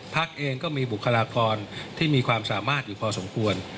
เองก็มีบุคลากรที่มีความสามารถอยู่พอสมควร